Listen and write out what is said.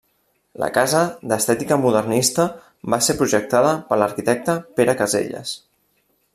La casa, d'estètica modernista, va ser projectada per l'arquitecte Pere Caselles.